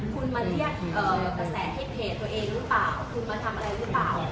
คุณมาเรียกกระแสที่เพจตัวเองหรือเปล่าคุณมาทำอะไรหรือเปล่า